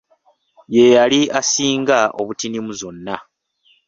Yeyali asinga obutini mu zonna.